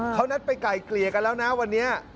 เขานัดไปไก่เกลี่ยกันแล้วนะวันนี้